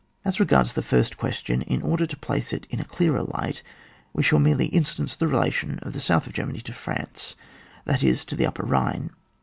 As regards the first question, in order to place it in a clearer light we shall merely instance the relation of the south of Germany to France, that is, to the upper Bhine.